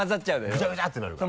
ぐちゃぐちゃってなるから。